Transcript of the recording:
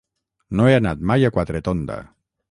No he anat mai a Quatretonda.